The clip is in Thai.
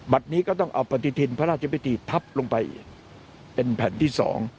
นี้ก็ต้องเอาปฏิทินพระราชพิธีพับลงไปอีกเป็นแผ่นที่๒